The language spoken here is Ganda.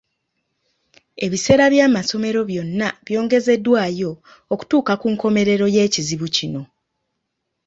Ebiseera by'amasomero byonna byongezeddwayo okutuuka ku nkomerero y'ekizibu kino.